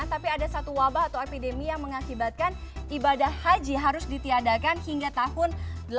tapi ada satu wabah atau epidemi yang mengakibatkan ibadah haji harus ditiadakan hingga tahun seribu delapan ratus